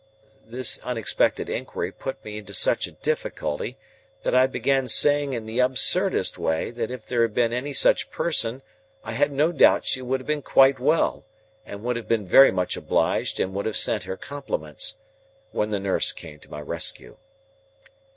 This unexpected inquiry put me into such a difficulty that I began saying in the absurdest way that if there had been any such person I had no doubt she would have been quite well and would have been very much obliged and would have sent her compliments, when the nurse came to my rescue.